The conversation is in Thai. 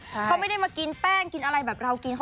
เขาไม่ได้มากินแป้งกินอะไรแบบเรากิน